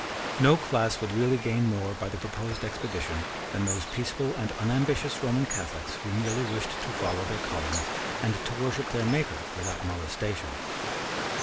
No class would really gain more by the proposed expedition than those peaceable and unambitious Roman Catholics who merely wished to follow their callings and to worship their Maker without molestation.